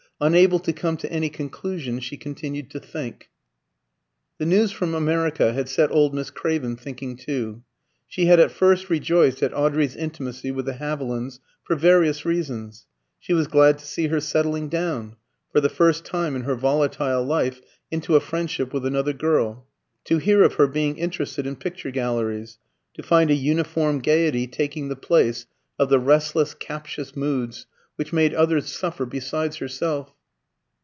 Unable to come to any conclusion, she continued to think. The news from America had set old Miss Craven thinking too. She had at first rejoiced at Audrey's intimacy with the Havilands, for various reasons. She was glad to see her settling down for the first time in her volatile life into a friendship with another girl; to hear of her being interested in picture galleries; to find a uniform gaiety taking the place of the restless, captious moods which made others suffer besides herself.